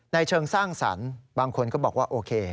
เชิงสร้างสรรค์บางคนก็บอกว่าโอเค